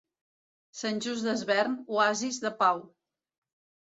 Sant Just Desvern, oasis de pau.